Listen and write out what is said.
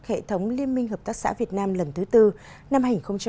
hệ thống liên minh hợp tác xã việt nam lần thứ tư năm hai nghìn hai mươi hai nghìn hai mươi năm